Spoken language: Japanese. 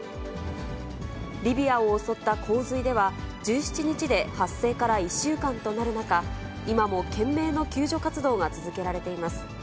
リビアを襲った洪水では、１７日で発生から１週間となる中、今も懸命の救助活動が続けられています。